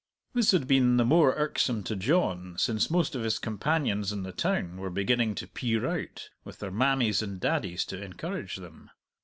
This had been the more irksome to John since most of his companions in the town were beginning to peer out, with their mammies and daddies to encourage them.